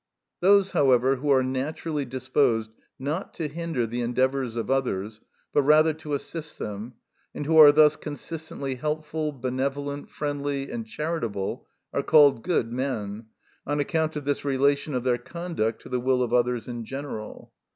Those, however, who are naturally disposed not to hinder the endeavours of others, but rather to assist them, and who are thus consistently helpful, benevolent, friendly, and charitable, are called good men, on account of this relation of their conduct to the will of others in general.